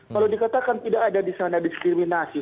kalau dikatakan tidak ada di sana diskriminasi